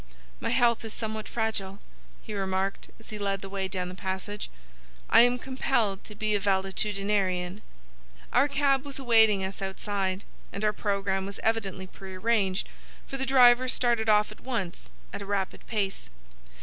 "My health is somewhat fragile," he remarked, as he led the way down the passage. "I am compelled to be a valetudinarian." Our cab was awaiting us outside, and our programme was evidently prearranged, for the driver started off at once at a rapid pace.